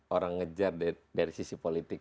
orang ngejar dari sisi politik